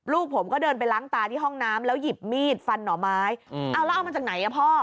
ลูกผมก็เดินไปล้างตาที่ห้องน้ำแล้วหยิบมีดฟันหน่อไม้เอาแล้วเอามาจากไหนอ่ะพ่อ